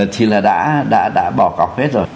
thì là đã bỏ cọc hết rồi